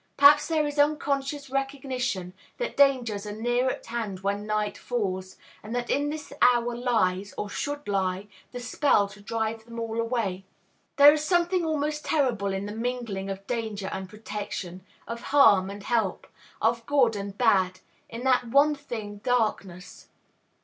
Perhaps there is unconscious recognition that dangers are near at hand when night falls, and that in this hour lies, or should lie, the spell to drive them all away. There is something almost terrible in the mingling of danger and protection, of harm and help, of good and bad, in that one thing, darkness.